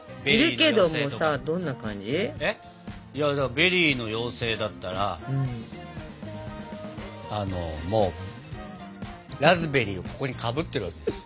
ベリーの妖精だったらラズベリーをここにかぶってるわけですよ。